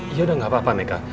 iya udah gak apa apa neka